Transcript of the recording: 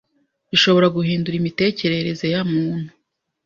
gishobora guhindura imitekerereze ya muntu